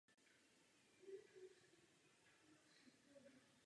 Tato čeleď čítá asi třicet druhů.